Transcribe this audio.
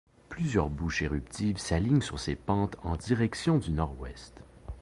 Plusieurs bouches éruptives s'alignent sur ses pentes en direction du nord-ouest.